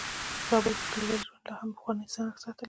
په زابل کې کليوالي ژوند لا هم خپل پخوانی رنګ ساتلی.